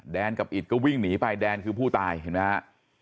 กับอิตก็วิ่งหนีไปแดนคือผู้ตายเห็นไหมฮะ